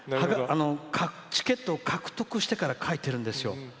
チケットを獲得してから書いてるんですよ。